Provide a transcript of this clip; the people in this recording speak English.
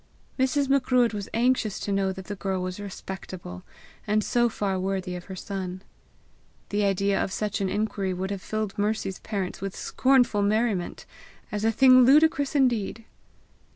Mrs. Macruadh was anxious to know that the girl was respectable, and so far worthy of her son. The idea of such an inquiry would have filled Mercy's parents with scornful merriment, as a thing ludicrous indeed.